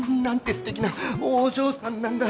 すてきなお嬢さんなんだ。